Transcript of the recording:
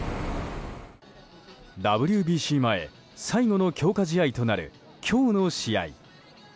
ＷＢＣ前最後の強化試合となる今日の試合。